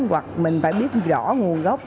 hoặc mình phải biết rõ nguồn gốc